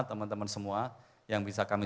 teman teman semua yang bisa kami